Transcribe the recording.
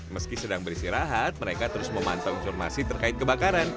meski sedang beristirahat mereka terus memantau informasi terkait kebakaran